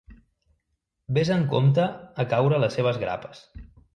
Ves amb compte a caure a les seves grapes.